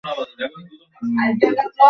তোমার প্রস্তাবটা নিতে চাই আমি।